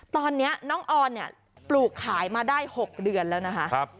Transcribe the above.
ตอนเนี้ยน้องอร์เนี้ยปลูกขายมาได้หกเดือนแล้วนะคะครับ